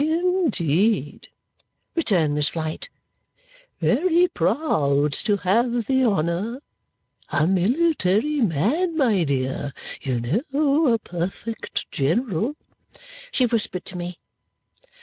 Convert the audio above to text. "In deed!" returned Miss Flite. "Very proud to have the honour! A military man, my dear. You know, a perfect general!" she whispered to me.